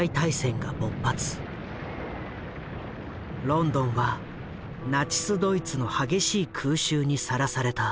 ロンドンはナチス・ドイツの激しい空襲にさらされた。